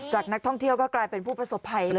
จากนักท่องเที่ยวก็กลายเป็นผู้ประสบภัย